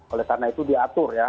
oleh karena itu diatur ya